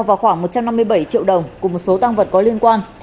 và khoảng một trăm năm mươi bảy triệu đồng cùng một số tăng vật có liên quan